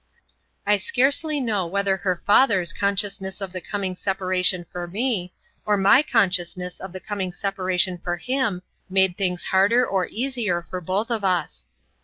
I scarcely know whether her father's consciousness of the coming separation for me, or my consciousness of the coming separation for him, made things harder or easier for both of us.